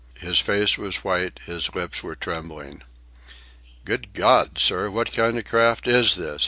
His face was white, his lips were trembling. "Good God! sir, what kind of a craft is this?"